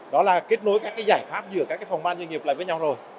đó là kết nối các cái giải pháp giữa các phòng ban doanh nghiệp lại với nhau rồi